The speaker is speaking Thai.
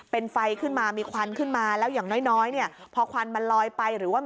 เป็นไฟขึ้นมามีควันขึ้นมา